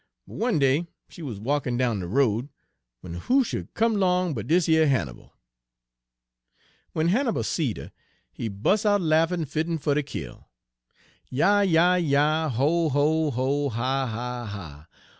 But one day she wuz walkin' down de road, w'en who sh'd come 'long but dis yer Hannibal. "W'en Hannibal seed 'er, he bus' out laffin' fittin' fer ter kill: 'Yah, yah, yah! ho, ho, ho!